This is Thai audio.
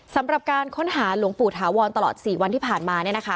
สำหรับการค้นหาหลวงปู่ถาวรตลอดสี่วันที่ผ่านมาเนี่ยนะคะ